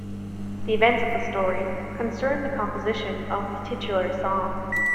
The events of the story concern the composition of the titular song.